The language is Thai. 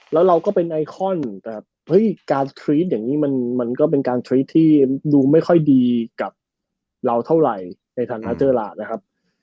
แล้วเราก็เป็นไอคอนแต่เฮ้ยการสตรีทอย่างนี้มันก็เป็นการทรีดที่ดูไม่ค่อยดีกับเราเท่าไหร่ในฐานะเจอร์ลานะครับ